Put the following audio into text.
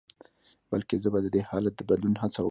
بلکې زه به د دې حالت د بدلون هڅه وکړم.